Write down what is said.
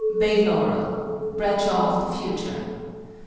BAY LAUREL. BRADSHAW OF THE FUTURE.